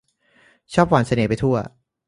ชอบหว่านเสน่ห์ไปทั่ว